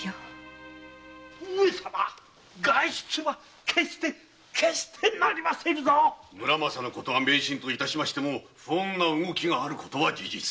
上様外出は決して決してなりませぬぞ「村正」のことは迷信と致しても不穏な動きがあるは事実。